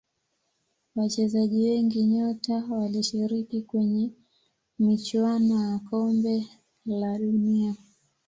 wachezaji wengi nyota walishiriki kwenye michuano ya kombe la dunia